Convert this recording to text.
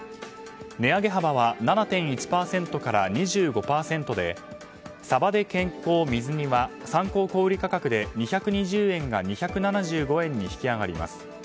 値上げ幅は７．１％から２５％でさばで健康水煮は参考小売価格で２２０円が２７５円に引き上がります。